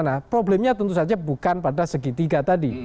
nah problemnya tentu saja bukan pada segitiga tadi